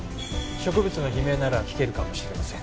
「植物の悲鳴」なら聞けるかもしれません。